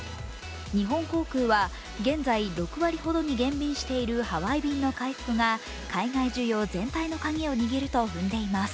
日本航空は、現在６割ほどに減便しているハワイ便の回復が海外需要全体のカギを握ると踏んでいます。